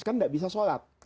kan tidak bisa sholat